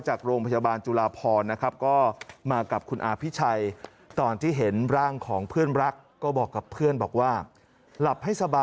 จากโรงพยาบาลจุฬาพรนะครับ